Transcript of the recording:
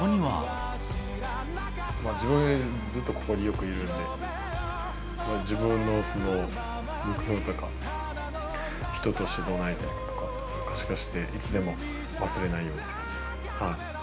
自分、ずっとここによくいるんで、自分のその目標とか、人としてどうなりたいかとか、可視化していつでも忘れないように。